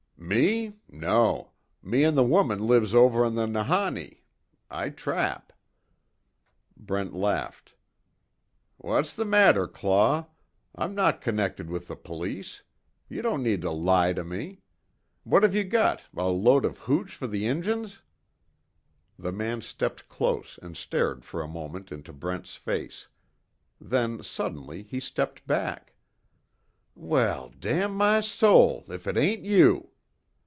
"Me? No. Me an' the woman lives over on the Nahanni. I trap." Brent laughed: "What's the matter, Claw? I'm not connected with the police. You don't need to lie to me. What have you got, a load of hooch for the Injuns?" The man stepped close and stared for a moment into Brent's face. Then, suddenly, he stepped back: "Well, damn my soul, if it ain't you!"